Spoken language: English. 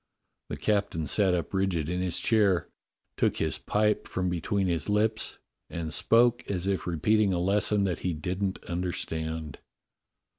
The captain sat up rigid in his chair, took his pipe from between his lips, and spoke as if repeating a lesson that he didn't understand.